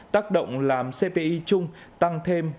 tắc động làm cpi chung tăng thêm năm mươi năm